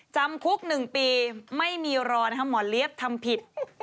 จำคุก๑ปีไม่มีรอนะครับหมอเลี๊ยบทำผิด